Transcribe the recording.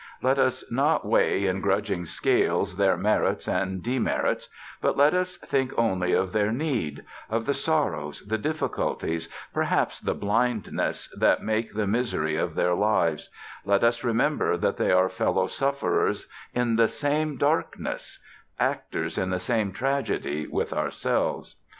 Let us not weigh in grudging scales their merits and demerits, but let us think only of their need of the sorrows, the difficulties, perhaps the blindnesses, that make the misery of their lives; let us remember that they are fellow sufferers in the same darkness, actors in the same tragedy with ourselves.